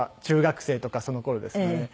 中学生とかその頃ですね。